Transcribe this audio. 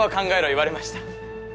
言われました